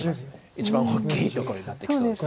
一番大きいところになってきそうです。